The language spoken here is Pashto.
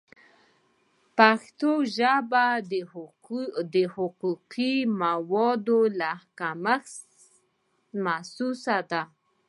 په پښتو ژبه د حقوقي موادو کمښت محسوس دی.